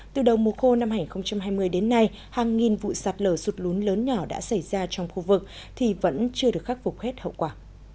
từ đầu mùa khô năm hai nghìn hai mươi đến nay hàng nghìn vụ sạt lờ sụt lún lớn nhỏ đã xảy ra trong khu vực thì vẫn chưa được khắc phục hết hậu quả